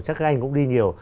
chắc các anh cũng đi nhiều